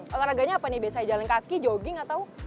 olahraganya apa nih biasanya jalan kaki jogging atau